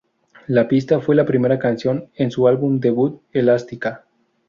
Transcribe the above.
La pista fue la primera canción en su álbum debut, Elastica.